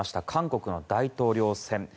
韓国の大統領選。